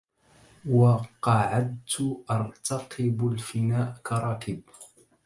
وقعدت أرتقب الفناء كراكب